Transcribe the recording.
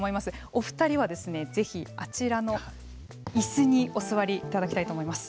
お２人は、ぜひあちらのいすにお座りいただきたいと思います。